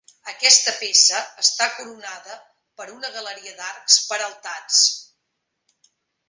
Aquesta peça està coronada per una galeria d'arcs peraltats.